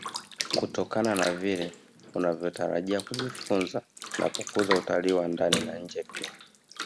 kutokana na vile unavyotarajia kujifunza na kukuza utalii wa ndani na nje pia